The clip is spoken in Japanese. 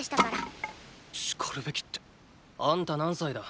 しかるべきってあんた何歳だ？